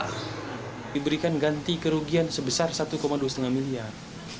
kita diberikan ganti kerugian sebesar satu dua lima miliar